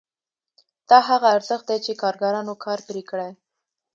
دا هغه ارزښت دی چې کارګرانو کار پرې کړی